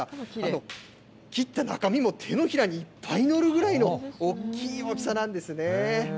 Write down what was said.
切った中身も手のひらにいっぱいに載るぐらいのおっきい大きさなんですね。